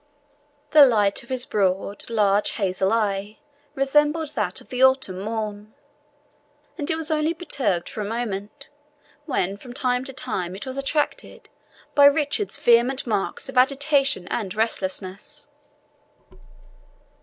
The light of his broad, large hazel eye resembled that of the autumn morn; and it was only perturbed for a moment, when from time to time it was attracted by Richard's vehement marks of agitation and restlessness.